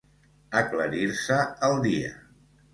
Aclarir-se el dia.